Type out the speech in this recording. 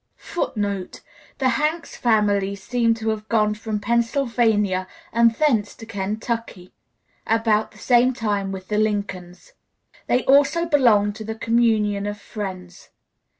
[Footnote: The Hanks family seem to have gone from Pennsylvania and thence to Kentucky about the same time with the Lincolns. They also belonged to the Communion of Friends.